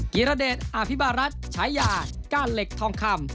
ีรเดชอภิบารัฐฉายาก้านเหล็กทองคำ